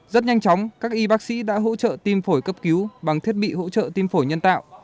rất nhanh chóng các y bác sĩ đã hỗ trợ tim phổi cấp cứu bằng thiết bị hỗ trợ tim phổi nhân tạo